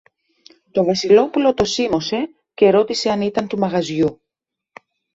Το Βασιλόπουλο το σίμωσε και ρώτησε αν ήταν του μαγαζιού.